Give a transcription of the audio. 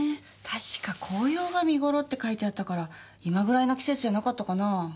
確か紅葉が見頃って書いてあったから今ぐらいの季節じゃなかったかなぁ。